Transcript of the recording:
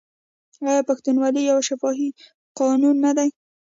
آیا پښتونولي یو شفاهي قانون نه دی؟